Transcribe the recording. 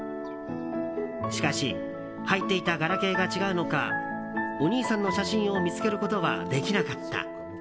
しかし入っていたガラケーが違うのかお兄さんの写真を見つけることはできなかった。